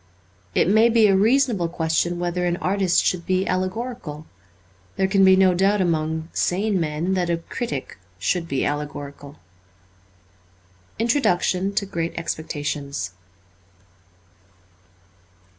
It may be a reasonable question whether an artist should be allegorical. There can be no doubt among sane men that a critic should be allegorical. Introduction to 'Gr/at Exfeetations.'